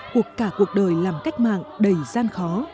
cuộc cả cuộc đời làm cách mạng đầy gian khó